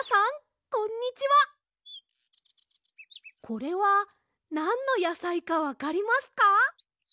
これはなんのやさいかわかりますか？